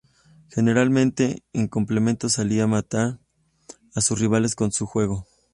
Generalmente en el complemento salía a "matar" a sus rivales con su juego.